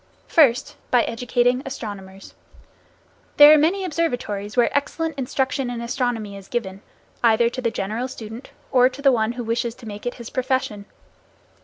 First, by educating astronomers. There are many observatories where excellent instruction in astronomy is given, either to the general student or to one who wishes to make it his profession.